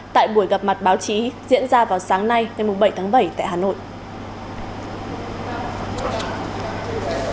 tại buổi gặp mặt báo chí diễn ra vào sáng nay ngày bảy tháng bảy tại hà nội